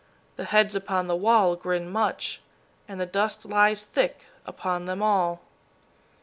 The heads upon the wall grin much, and the dust lies thick upon them all."